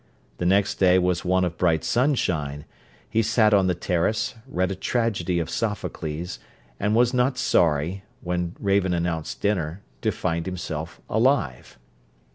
The next day was one of bright sunshine: he sat on the terrace, read a tragedy of Sophocles, and was not sorry, when Raven announced dinner, to find himself alive.